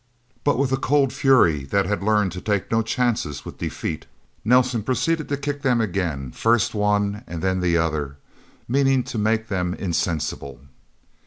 But with a cold fury that had learned to take no chances with defeat, Nelsen proceeded to kick them again, first one and then the other, meaning to make them insensible.